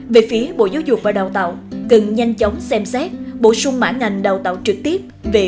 về phía bộ giáo dục và đào tạo cần nhanh chóng xem xét bổ sung mã ngành đào tạo trực tiếp